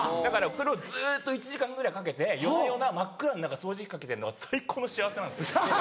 それをずっと１時間ぐらいかけて夜な夜な真っ暗の中掃除機かけてんのが最高の幸せなんです。